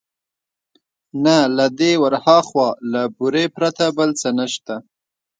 نه له دې ورهاخوا، له بري پرته بل څه نشته.